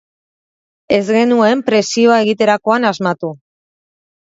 Ez genuen presioa egiterakoan asmatu.